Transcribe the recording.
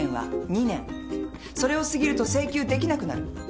それを過ぎると請求できなくなる。